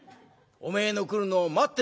おめえの来るのを待ってる」。